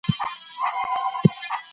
ډاکټران د حکیمانو په څېر پلټنه کوي.